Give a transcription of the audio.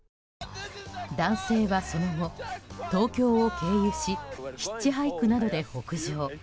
男性はその後、東京を経由しヒッチハイクなどで北上。